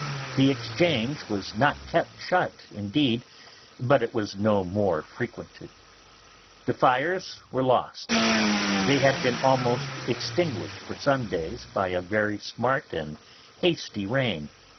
The Exchange was not kept shut, indeed, but it was no more frequented. The fires were lost; they had been almost extinguished for some days by a very smart and hasty rain.